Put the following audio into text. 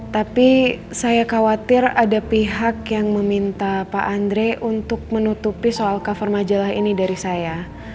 tapi saya khawatir ada pihak yang meminta pak andre untuk menutupi soal cover majalah ini dari saya